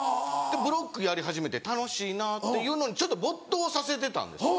ブロックやり始めて楽しいなっていうのに没頭させてたんです。